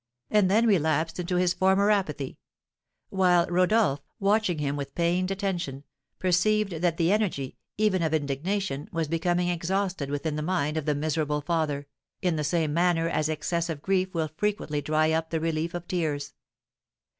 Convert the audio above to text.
and then relapsed into his former apathy; while Rodolph, watching him with pained attention, perceived that the energy, even of indignation, was becoming exhausted within the mind of the miserable father, in the same manner as excess of grief will frequently dry up the relief of tears.